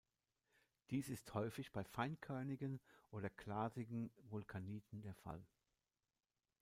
Dies ist häufig bei feinkörnigen oder glasigen Vulkaniten der Fall.